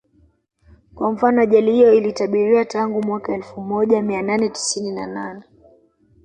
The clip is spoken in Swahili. Kwa mfano ajali hiyo ilitabiriwa tangu mwaka elfu moja mia nane tisini na nane